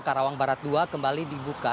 karawang barat dua kembali dibuka